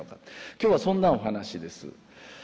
今日はそんなお話です。